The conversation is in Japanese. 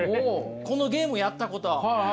このゲームやったこと。